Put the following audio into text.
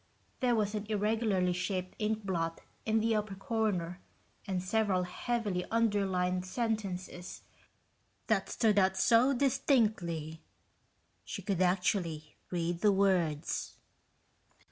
There was an irregularly shaped inkblot in the upper corner and several heavily underlined sentences that stood out so distinctly she could actually read the words.